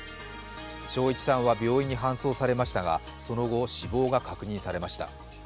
松一さんは病院に搬送されましたが、その後、死亡が確認されました。